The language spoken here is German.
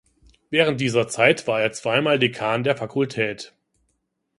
Während dieser Zeit war er zweimal Dekan der Fakultät.